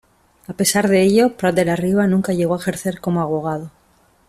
A pesar de ello, Prat de la Riba nunca llegó a ejercer como abogado.